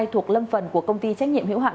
thuộc lâm phần của công ty trách nhiệm hiệu hạn